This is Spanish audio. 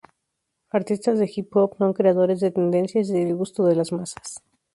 Artistas de hip hop son creadores de tendencias y del gusto de las masas.